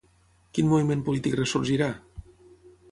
Quin moviment polític ressorgirà?